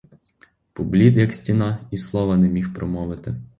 Поблід як стіна і слова не міг промовити.